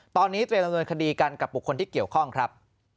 ตอนนี้เตรียมดำเนินคดีกันกับบุคคลที่เกี่ยวข้องครับ